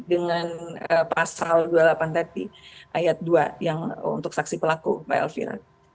dengan pasal dua puluh delapan tadi ayat dua yang untuk saksi pelaku mbak elvira